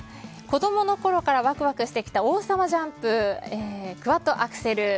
子供のころからワクワクしてきた王様ジャンプ、クアッドアクセル。